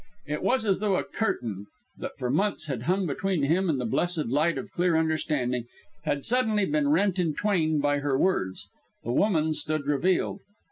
It was as though a curtain that for months had hung between him and the blessed light of clear understanding had suddenly been rent in twain by her words. The woman stood revealed.